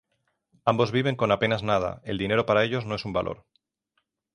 Ambos viven con apenas nada; el dinero para ellos no es un valor.